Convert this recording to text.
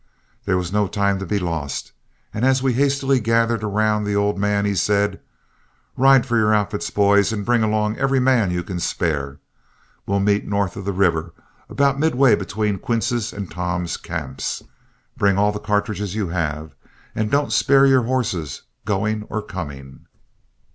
There was no time to be lost, and as we hastily gathered around the old man, he said: "Ride for your outfits, boys, and bring along every man you can spare. We'll meet north of the river about midway between Quince's and Tom's camps. Bring all the cartridges you have, and don't spare your horses going or coming."